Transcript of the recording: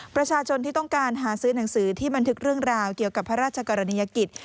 ประชาชนที่ต้องการหาซื้อหนังสือที่บันทึกเรื่องราวเกี่ยวกับพระราชกรณียกิจ